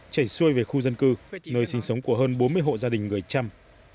chảy xuôi về khu dân cư nơi sinh sống của hơn bốn mươi hộ gia đình người chăm